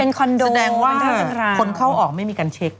เป็นคอนโดแสดงว่าคนเข้าออกไม่มีการเช็ก